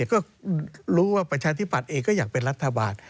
ก็รู้ว่าประชาธิปัตย์เองก็อยากเป็นรัฐบาล